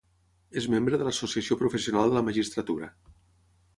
És membre de l'Associació Professional de la Magistratura.